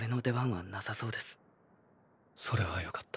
それはよかった。